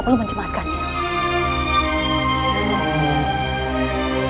seguro banyak mata penjaga